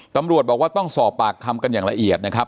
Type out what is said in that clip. ตำรวจบอกว่าต้องสอบปากคำกันอย่างละเอียดนะครับ